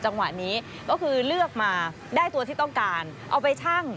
จังหวะนี้ก็คือเลือกมาได้ตัวที่ต้องการเอาไปชั่ง